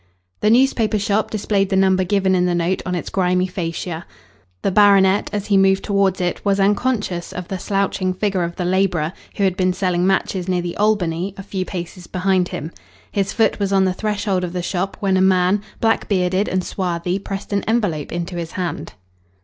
The newspaper shop displayed the number given in the note on its grimy facia. The baronet, as he moved towards it, was unconscious of the slouching figure of the labourer, who had been selling matches near the Albany, a few paces behind him. His foot was on the threshold of the shop when a man, black bearded and swarthy, pressed an envelope into his hand.